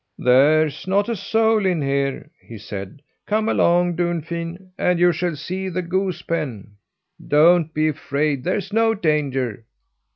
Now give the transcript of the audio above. "There's not a soul in here," he said. "Come along, Dunfin, and you shall see the goose pen. Don't be afraid; there's no danger."